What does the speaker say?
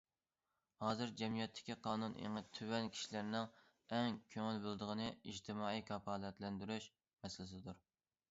ھازىر جەمئىيەتتىكى قانۇن ئېڭى تۆۋەن كىشىلەرنىڭ ئەڭ كۆڭۈل بۆلىدىغىنى ئىجتىمائىي كاپالەتلەندۈرۈش مەسىلىسىدۇر.